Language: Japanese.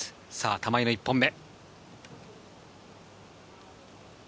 玉井の１本目。